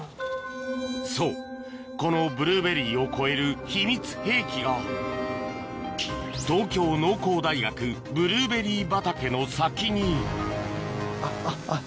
そうこのブルーベリーを超える秘密兵器が東京農工大学ブルーベリー畑の先にあっあっあっ。